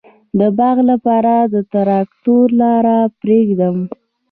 د باغ لپاره د تراکتور لاره پریږدم؟